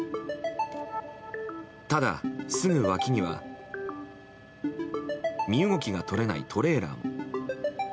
ただ、すぐ脇には身動きが取れないトレーラーも。